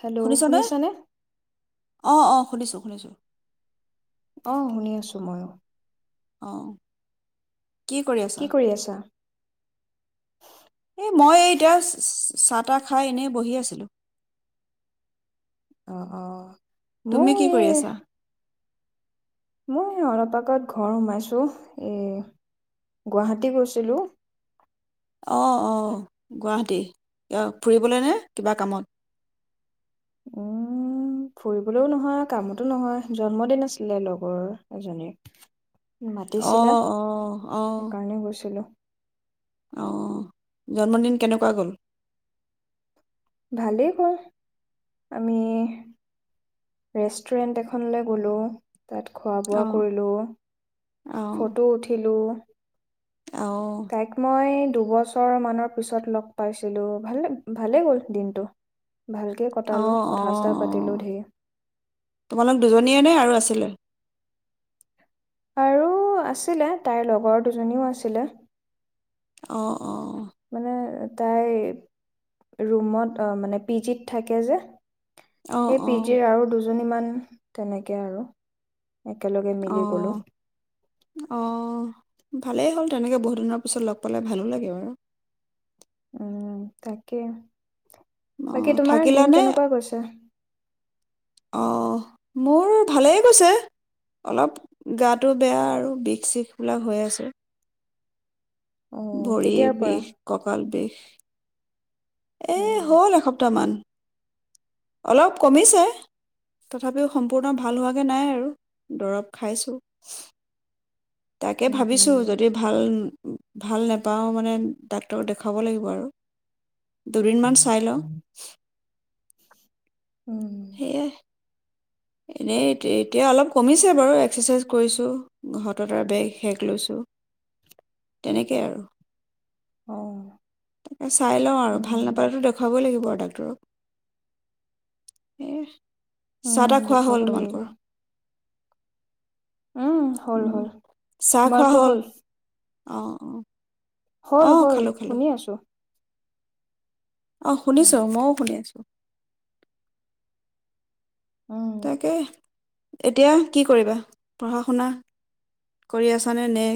Hello শুনিছনে? শুনিছানে অ অ শুনিছোঁ শুনিছোঁ। অ শুনি আছো ময়ো। অঁ। কি কৰি আছা? এ মই এতিয়া চাহ তাহ খাই এনেই বহি আছিলো। অ, অ। তুমি মও, কি এ কৰি আছা? মই অলপ আগত ঘৰ সোমাইছোঁ এই গুৱাহাটী গৈছিলোঁ। অঁ অঁ গুৱাহাটীত ফুৰিবলৈ নে কিবা কামত। উম ফুৰিবলৈও নহয় কামতো নহয় জন্মদিন আছিলে লগৰ এজনীৰ, মাতিছিলে অ', অ', অ', সেইকাৰণে গৈছিলো। অ', জন্মদিন কেনেকুৱা গ'ল? ভালেই হ'ল, আমি ৰেষ্টুৰেণ্ট এখনলৈ গ'লো তাত খোৱা বোৱা অ', কৰিলোঁ অ', ফটো উঠিলোঁ। অ', অ', তাইক মই দুবছৰ মানৰ পিছত লগ পাইছিলোঁ, ভালে ভালে গ'ল দিনটো। ভালকে কটালো অ', অ', কথা চথা পাতিলো অ' ধেৰ তোমালোক দুজনীয়ে নে আৰু আছিলে? আৰু আছিলে তাইৰ লগৰ দুজনীও আছিলে। অ'। অ', মানে তাই ৰুমত মানে পিজিত থাকে যে অ', সেই পিজে অ', আৰু আৰু দুচ দুজনীমান তেনেকে আৰু একেলগে মিলি গলো অহ, অহ। ভালেই হ'ল তেনেকে বহুত দিনৰ পিছত লগ পালে ভালো লাগে আৰু। উম, তাকে বাকী অ', তোমাৰ দিন থাকিলানে? কেনেকুৱা গৈছে? অহ, মোৰ ভালেই গৈছে, অলপ গাটো বেয়া আৰু বিষ চিষবিলাক হৈ আছে। অ ভৰি কেতিয়াৰ পৰা বিষ কঁকাল বিষ এ, উম হ'ল এসপ্তাহ মান। অলপ কমিছে তথাপিও সম্পূৰ্ণ ভাল হোৱাগে নাই আৰু দৰৱ খাইছোঁ। তাকে উম ভাবিছো যদি ভাল ভাল নেপাওঁ মানে ডাক্তৰক দেখাব লাগিব আৰু। দুদিনমান উম চাই ল। উ সেয়াই এনেই এতিয়া অলপ কমিছে বাৰু এক্সাৰচাইজ কৰিছোঁ ঘৰত আৰু বেগ শেক লৈছোঁ তেনেকেই আৰু। অ তাকে চাই লওঁ আৰু উম ভাল নাপালো দেখুৱাবই লাগিব আৰু ডাক্তৰক হ [unintelligible] অ'। হ'ল তোমালোকৰ? উম হ'ল উম, হ'ল চাহ খোৱা হ'ল? অ, ' অ'। অ হ'ল হ'ল খালো খালো শুনি আছো। অ', উম শুনিছো মইও শুনি আছো। উম। তাকে এতিয়া কি কৰিবা? পঢ়া শুনা কৰি আছানে নে?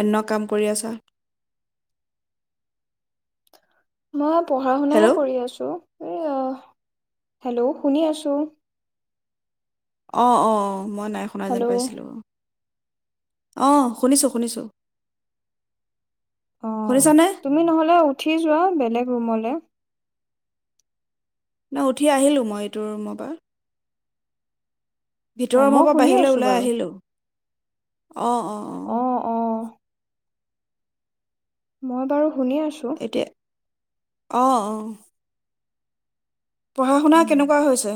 অন্য কাম কৰি আছা? মই [unintelligible] পঢ়া শুনাই হেল্ল' কৰি আছো। আহ হেল্ল' শুনি আছো অ', অ', অ'। মই নাই শুনাই যেন হেল্ল' পাইছিলোঁ অ শুনিছোঁ শুনিছোঁ অ', তুমি নহলে উঠি যোৱা বেলেগ ৰুমলে। হ নাই উঠি আহিলো মই এইটো ৰুমৰ পৰা। অ ভিতৰৰ ৰোমৰ পৰা মই শুনি বাহিৰলৈ আছো ওলাই বাৰু আহিলোঁ। অ অ অ মই বাৰু শুনি আছো অহ অহ পঢ়া শুনা উম কেনেকুৱা হৈছে?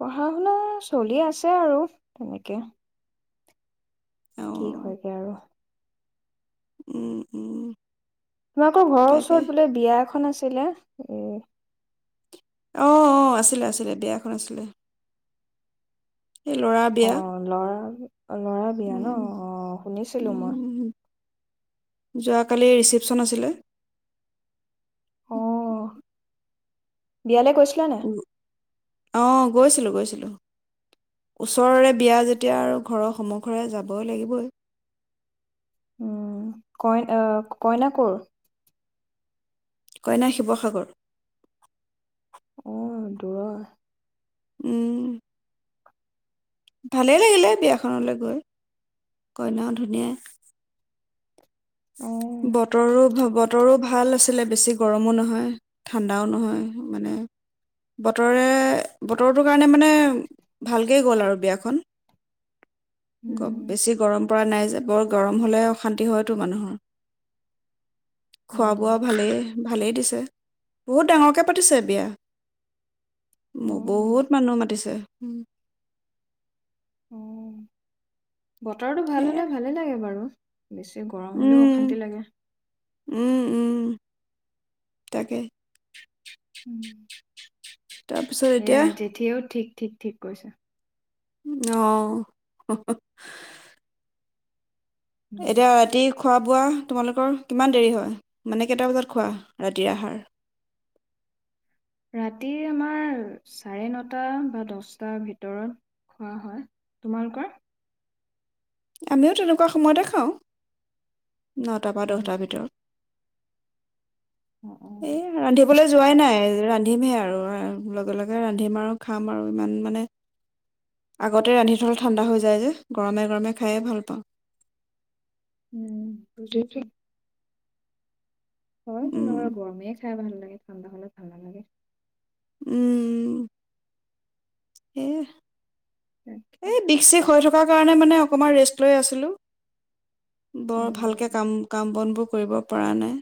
পঢ়া শুনা চলি আছে আৰু তেনেকে। অ কি হয়গৈ আৰু উম, উম। তোমালোকৰ ঘৰৰ তাকে ওচৰত বোলে বিয়া এখন আছে [unintelligible] উম। অ', অ', আছিলে আছিলে বিয়াখন আছিলে। এই ল'ৰা বিয়া অ', ল'ৰা? অ', ল'ৰা বিয়া উম ন' অ', শুনিছিলোঁ মই। উম যোৱাকালি ৰিচিপচন আছিলে। বিয়ালে কৈছিলা নে? উ- অ', গৈছিলোঁ গৈছিলোঁ, ওচৰৰে বিয়া যেতিয়া আৰু ঘৰৰ সন্মুখৰে যাবই লাগিবই। উম, ক-কইনা ক'ৰ? কইনা শিৱসাগৰ। আহ, দূৰৰ। উম। ভালেই লাগিলে বিয়াখনলৈ গৈ, কইনাও ধুনীয়া। অ', বতৰো বতৰো ভাল আছিলে বেছি গৰমো নহ ন', ঠাণ্ডাও নহয় মানে, বতৰে বতৰটোৰ কাৰণে মানে ভালকেই গ'ল আৰু বিয়াখন। উম, বেছি গৰম। পৰা নাই বৰ গৰম হ'লে অশান্তি হয়। টো মানুহৰ। খোৱা-বোৱা উম, ভালেই। ভালেই দিছে বহুত ডাঙৰকে পাতিছে বিয়া ম অ', বহুত মানুহ মাতিছে উম উ বতৰটো ভাল সেয়ে হ'লে ভালেই লাগে বাৰু। বেছি গৰম হ'লেও উম অশান্তি লাগে। উম, উম, তাকে। উম তাৰপিছত এয়া এতিয়া জেঠি আও ঠিক ঠিক ঠিক কৈছে আহ হ হ উম, এতিয়া ৰাতি খোৱা বোৱা তোমালোকৰ কিমান দেৰি হয় মানে কেইটা বজাত খোৱা ৰাতিৰ আহাৰ ৰাতি আমাৰ চাৰে নটা বা দশটাৰ ভিতৰত খোৱা হয় তোমালোকৰ আমিও তেনেকুৱা সময়তে খাওঁ নটাৰ বা উম, দহটাৰ ভিতৰত। অ', অ', এ, ৰান্ধিবলৈ যোৱাই নাই ৰান্ধিমে আৰু। লগে লগে ৰান্ধিম আৰু খাম আৰু ইমান মানে আগতে ৰান্ধি থলে ঠাণ্ডা হৈ যায় যে গৰমে গৰমে খায়ে ভাল পাওঁ উম বুজেইছো হয় তো উম লগুৱা গৰমে খাই ভাল লাগে। ঠাণ্ডা হলে ভাল নালাগে উম! সেই তাকে এই দিশ চিক হৈ থকাৰ কাৰণে মানে অকণমান ৰেষ্ট লৈ আছিলোঁ বৰ ভালকে উম, কাম কাম বনবোৰ কৰিব পৰা নাই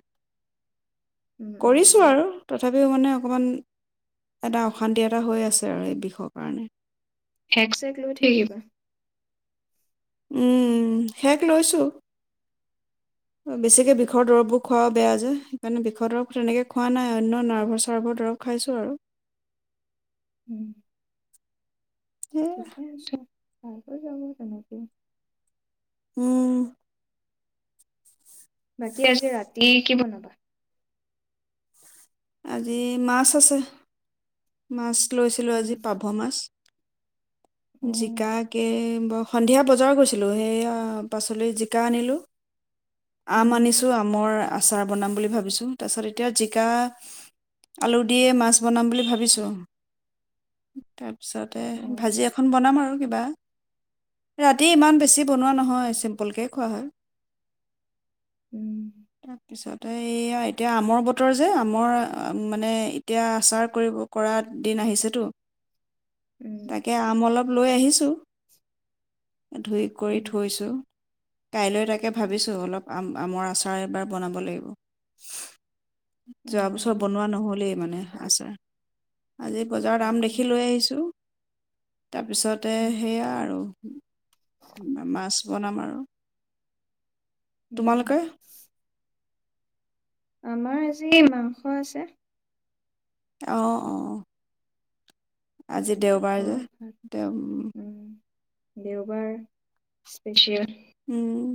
উম, কৰিছো উম, আৰু তথা, তথাপিও মানে অকণমান এটা অশান্তি এটা হৈ আছে আৰু এই বিষৰ কাৰণে এক চেক লৈ থাকিবা, উম শেষ লৈছোঁ বেছিকে বিষৰ দৰৱবোৰ খোৱাও বেয়া যে সেইকাৰণে বিষৰ দৰৱ তেনেকৈ খোৱা নাই অন্য নাৰ্ভ চাৰ্ভৰ দৰৱ খাইছোঁ আৰু উম! সেয়া ঠিকে আছ [unintelligible] যাব তেনেকে, উম! বাকী আজি ৰাতি কি বনাবা? আজি মাছ আছে। মাছ লৈছিলোঁ উম আজি পাভ মাছ, উম জিকা কে, সন্ধিয়া বজাৰ গৈছিলোঁ সেইয়া পাচলিৰ জিকা আনিলোঁ আম উম, আনিছো আমৰ আচাৰ বনাম বুলি ভাবিছোঁ তাৰপিছত এতিয়া জিকা আলু দিয়ে মাছ বনাম বুলি ভাবিছো ত ত পিছতে অ ভাজি এখন বনাম আৰু কিবা ৰা ৰাতি ইমান বেছি বনোৱা নহয় চিম্পল কে খোৱা হয়! উম তাৰ পিছত, ত এইয়া এতিয়া আমৰ বতৰ যে আম, মোৰ মানে এতিয়া আচাৰ পৰা দিন আহিছেতো উম তাকে আম অলপ লৈ আহিছো ধুই কৰি উম থৈছোঁ কাইলৈ তাকে ভাবিছোঁ অলপ, আম আমৰ আচাৰ এবাৰ বনাব লাগিব অ যোৱা বছৰ বনোৱা নহ'লেই মানে আছোৰ আজি বজাৰৰ অ দাম দেখি লৈ আহিছোঁ। তাৰপিছতে উম সেয়া আৰু, মাছ বনাম আৰু তোমালোকে উম আমাৰ আজি মাংস আছে অ' অহ এয়া আজি মাংস দেওবাৰ যে তেওঁ, দেওবাৰৰ স্পেচিয়েল উম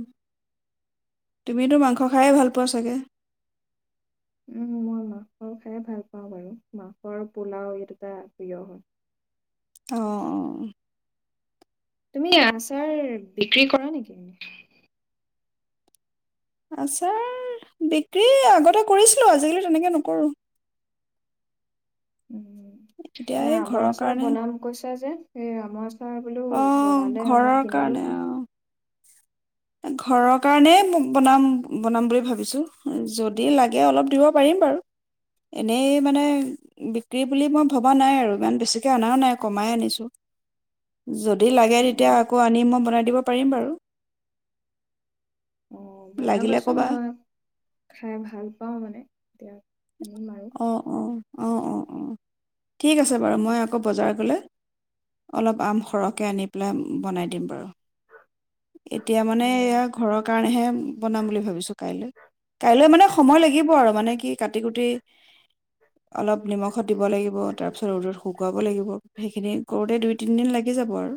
তুমিটু মাংস খায়ে ভাল পোৱা চাগে, উম মই মাংস খায়ে ভাল পাওঁ বাৰু মাংসৰ পোলাও এই দুটা প্ৰিয় হয় অ অহ তুমি আচাৰ বিক্ৰী কৰা নেকি? আচাৰ বিক্ৰী আগতে কৰিছিলো আজিকালি তেনেকে নকৰো উম এতিয়া নাই এই ঘৰৰ আমৰ আচাৰ কাৰণে বনাম কৈছা যে এ আমাৰ নাই বুলু অঁ বনালে মই কিনিলো হয় অঁ ঘৰৰ কাৰণে বনাম বনাম বুলি ভাবিছোঁ যদি যদি লাগে অ তেতিয়া আকৌ আনি মই বনাই দিব পাৰিম বাৰু অ লাগিলে বনাবাচোন ক'বা মই খাই ভাল পাওঁ মানে তেওঁ উম আৰু অহ অহ অহ ঠিক আছে বাৰু মই আকৌ বজাৰ গ'লে অলপ আম সৰহকে আনি পেলাই বনাই দিম বাৰু। এতিয়া মানে অ এয়া ঘৰৰ কাৰণেহে বনাম বুলি ভাবিছোঁ কাইলৈ, কাইলৈ মানে সময় লাগিব আৰু মানে কি কাটি কুটি অলপ নিমখো দিব লাগিব। তাৰ পিছত ৰ'দত শুকা লাগিব, সেইখিনি কৰোতে দুই তিনিদিন লাগি লে যাব আৰু।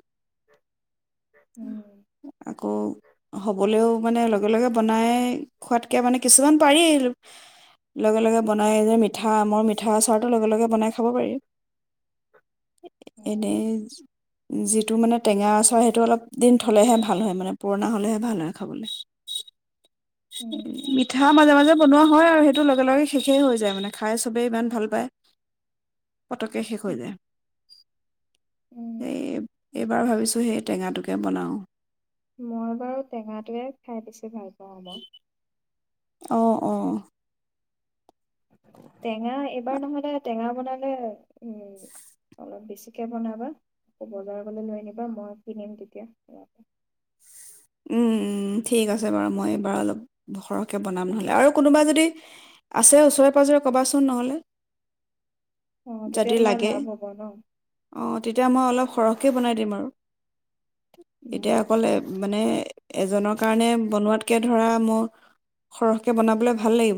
অ' আকৌ হ'বলৈও মানে লগে লগে বনাই খোৱাতকে মানে কিছুমান পাৰি লগে লগে বনাই যে মিঠা আমৰ মিঠা আচাৰটো লগে লগে বনাই খাব পাৰি। এনেজ জিৎ তুমানে টেঙা আচাৰ সেইটো অলপ দিন থ'লেহে ভাল হয় মানে পুৰণা হ'লেহে ভাল হয় খাবলৈ। মিঠা মাজে মাজে বনোৱা হয় আৰু সেইটো লগে লগে শেষেই হৈ যায় মানে খাই চবেই ইমান ভাল পায়। পতকে শেষ হৈ যায়। এই উম। এবাৰ ভাবিছোঁ সেই টেঙাটোকে বনাওঁ মই বাৰু টেঙাটোৱে খাই বেছি ভাল পাওঁ মই অঁ অঁ [inaudible] টেঙা এইবাৰ নহ'লে টেঙা বনা অলপ বেছিকৈ বনাবা আকৌ বজাৰলৈ লৈ আনিবা মই কিনিম তেতিয়া উম ঠিক আছে বাৰু মই এইবাৰ অলপ সৰহকৈ বনাম নহ'লে আৰু কোনোবা যদি আছে ওচৰে পাঁজৰে ক'বাচোন নহ'লে অ তেতিয়া যদি তোমাৰ লাগে লাভ হ'ব ন অঁ তেতিয়া মই অলপ সৰহকৈ বনাই দিম আৰু উম এতিয়া অকল এ- মানে এজনৰ কাৰণে বনোৱাতকে ধৰা মোৰ সৰহকে বনাবলে ভাল লাগিব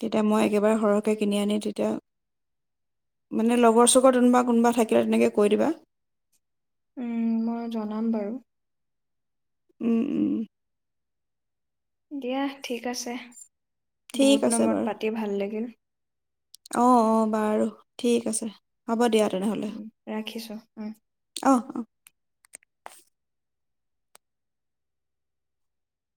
তেতিয়া মই একেবাৰে সৰহকৈ কিনি আনি তেতিয়া মানে লগৰ চগৰ কোনোবা কোনোবা থাকিলে তেনেকৈ কৈ দিবা উম মই জনাম বাৰু উম উম দিয়া ঠিক আছে বহুত দিনৰ মূৰত পাতি ভাল লাগিল অ অ বাৰু ঠিক আছে হ'ব দিয়া তেনেহ'লে উ ৰাখিছো উম অঁ অঁ